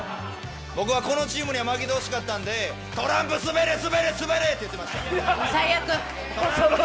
僕はこのチームには負けてほしかったんで、トランプすべれ、すべれ！って言ってました。